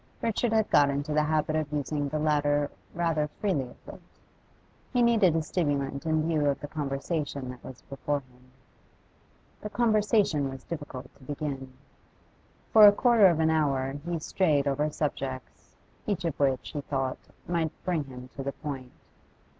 Richard had got into the habit of using the latter rather freely of late. He needed a stimulant in view of the conversation that was before him. The conversation was difficult to begin. For a quarter of an hour he strayed over subjects, each of which, he thought, might bring him to the point.